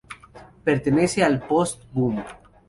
Pertenece al Post-Boom.